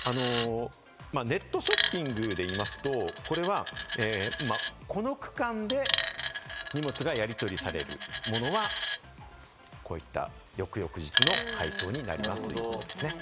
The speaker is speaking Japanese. ネットショッピングで言いますと、これはこの区間で荷物がやりとりされるものは、こういった翌々日の配送になりますということですね。